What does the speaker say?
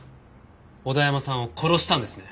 小田山さんを殺したんですね？